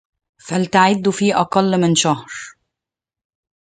فلتعد في أقل من شهر.